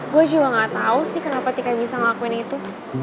gue juga gak tau sih kenapa tika bisa ngelakuin itu